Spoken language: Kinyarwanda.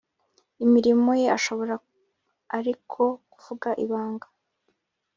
imirimo ye ashobora ariko kuvuga ibanga